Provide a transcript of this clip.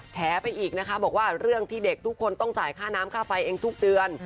แฉไปอีกนะคะบอกว่าเรื่องที่เด็กทุกคนต้องจ่ายค่าน้ำค่าไฟเองทุกเดือน